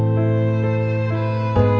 aku mau ke sana